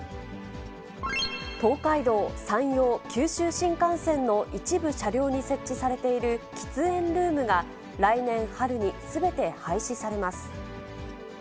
東海道・山陽・九州新幹線の一部車両に設置されている喫煙ルームが、来年春にすべて廃止されます。